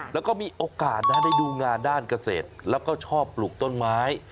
แล้วก็มีโอกาสนะได้ดูงานด้านเกษตรแล้วก็ชอบปลูกต้นไม้